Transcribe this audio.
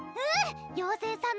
うん！